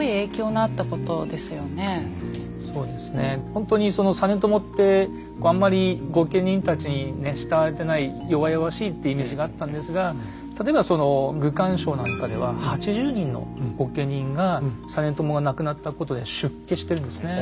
ほんとに実朝ってあんまり御家人たちに慕われてない弱々しいってイメージがあったんですが例えば「愚管抄」なんかでは８０人の御家人が実朝が亡くなったことで出家してるんですね。